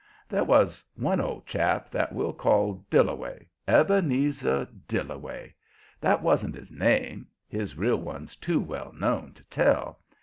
There was one old chap that we'll call Dillaway Ebenezer Dillaway. That wan't his name; his real one's too well known to tell.